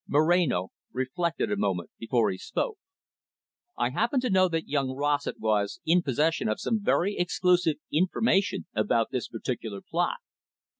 Moreno reflected a moment before he spoke. "I happen to know that young Rossett was in possession of some very exclusive information about this particular plot.